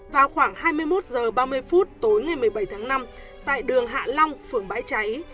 vào khoảng hai mươi một h ba mươi phút tối ngày một mươi bảy tháng năm tại đường hạ long phường bãi cháy